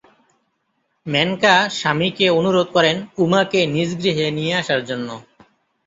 মেনকা স্বামীকে অনুরোধ করেন উমাকে নিজগৃহে নিয়ে আসার জন্য।